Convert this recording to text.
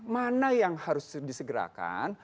mana yang harus disegerakan